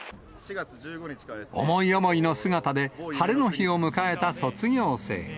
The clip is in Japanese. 思い思いの姿で晴れの日を迎えた卒業生。